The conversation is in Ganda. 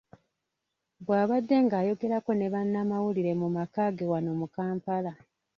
Bw’abadde ng'ayogerako ne bannamawulire mu maka ge wano mu Kampala.